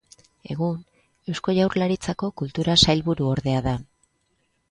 Egun, Eusko Jaurlaritzako Kultura Sailburuordea da.